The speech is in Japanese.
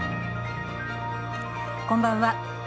こんばんは。